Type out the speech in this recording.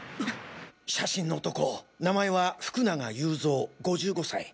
写真の男名前は福永祐三５５歳。